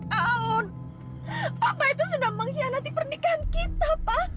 bapak itu sudah mengkhianati pernikahan kita pa